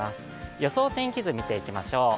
予想天気図、見ていきましょう。